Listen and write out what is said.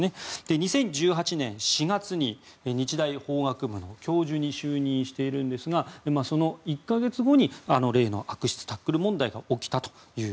２０１８年４月に日大法学部の教授に就任しているんですがその１か月後に例の悪質タックル問題が起きました。